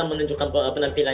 dan mereka akan lebih baik